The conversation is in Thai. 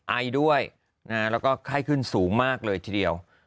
ไอด้วยแล้วก็ไข้ขึ้นสูงมากเลยทีเดียว